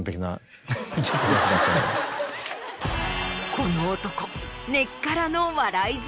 この男。